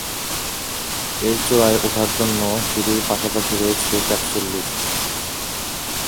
এর চূড়ায় ওঠার জন্য সিঁড়ির পাশাপাশি রয়েছে ক্যাপসুল লিফট।